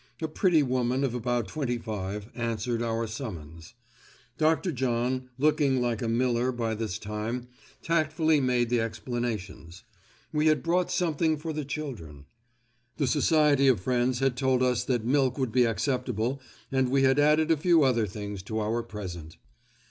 A pretty woman of about twenty five, answered our summons. Dr. John, looking like a miller by this time, tactfully made the explanations. We had brought something for the children. The Society of Friends had told us that milk would be acceptable and we had added a few other things to our present.